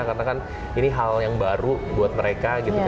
karena ini hal yang baru buat mereka